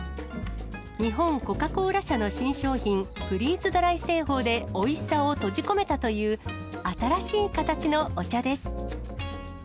日本コカ・コーラ社の新商品、フリーズドライ製法でおいしさを閉じ込めたという新しい形のお茶です。